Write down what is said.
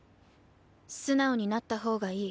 素直になった方がいい。